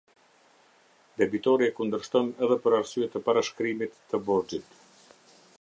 Debitori e kundërshton edhe për arsye të parashkrimit të borxhit.